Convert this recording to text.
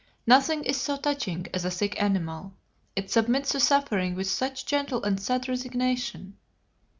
Nothing is so touching as a sick animal: it submits to suffering with such gentle and sad resignation.